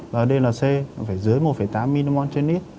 và dlc phải dưới một tám mmol trên x